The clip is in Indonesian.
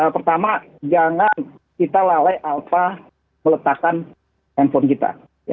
pertama jangan kita lalai alfa meletakkan handphone kita